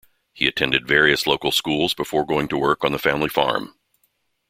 He attended various local schools before going to work on the family farm.